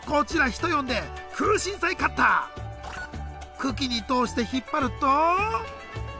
茎に通して引っ張ると。